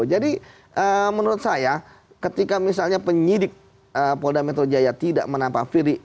jadi menurut saya ketika misalnya penyidik poda metro jaya tidak menampak firly